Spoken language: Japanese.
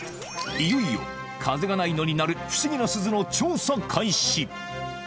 いよいよ風がないのに鳴る不思議な鈴の調査開始